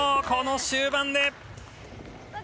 この終盤で。